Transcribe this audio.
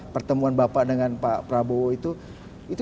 bisa aja dibaca sebagai sebuah kode